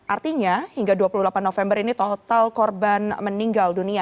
artinya hingga dua puluh delapan november ini total korban meninggal dunia